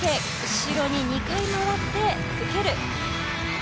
後ろに２回、回って受ける。